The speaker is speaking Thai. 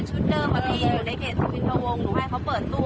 ในเขตเนี้ยชุดเดิมสุพินทรวงหนูให้เขาเปิดตู้